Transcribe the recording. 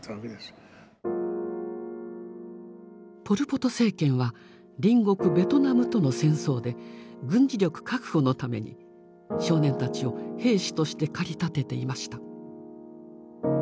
ポル・ポト政権は隣国ベトナムとの戦争で軍事力確保のために少年たちを兵士として駆り立てていました。